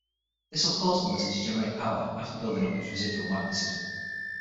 This will cause the motor to generate power after building up its residual magnetism.